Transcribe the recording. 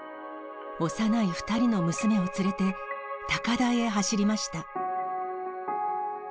幼い２人の娘を連れて、高台へ走りました。